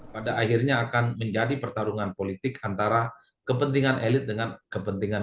pada akhirnya akan menjadi pertarungan politik antara kepentingan elit dengan kepentingan